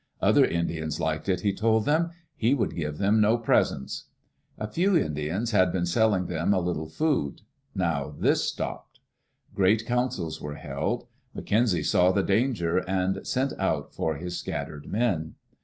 Other Indians liked it, he told them. He would give them no presents. A few Indians had been selling them a little food; now this stopped. Great councils were held. McKenzie saw the danger and sent out for his scattered men.